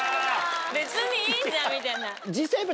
別にいいじゃんみたいな。